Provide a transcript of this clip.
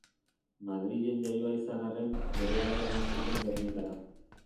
Madrilen jaioa izan arren, berehala eraman zuten Gernikara.